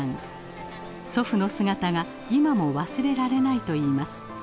祖父の姿が今も忘れられないと言います。